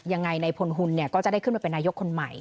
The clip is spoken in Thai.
ยังไงในพลหุ่นเนี่ยก็จะได้ขึ้นมาเป็นนายกคนใหม่